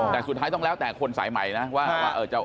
แต่สุดท้ายต้องแล้วแต่คนสายใหม่นะว่า